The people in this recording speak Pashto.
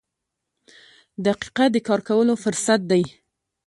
• دقیقه د کار کولو فرصت دی.